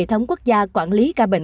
thái bình ba sáu trăm một mươi năm